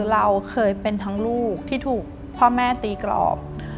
เราเคยเป็นทั้งลูกที่ถูกพ่อแม่ตีกรอบ